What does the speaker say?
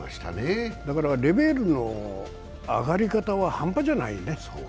だからレベルの上がり方は半端じゃないね。